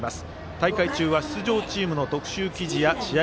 大会中は出場チームの特集記事や試合